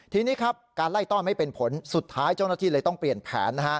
ทีนี้ครับการไล่ต้อนไม่เป็นผลสุดท้ายเจ้าหน้าที่เลยต้องเปลี่ยนแผน